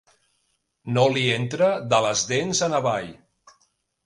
No li entra de les dents en avall.